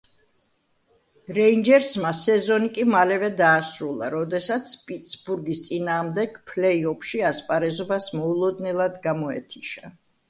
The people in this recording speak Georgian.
რეინჯერსმა სეზონი კი მალევე დაასრულა, როდესაც პიტსბურგის წინააღმდეგ ფლეი-ოფში ასპარეზობას მოულოდნელად გამოეთიშა.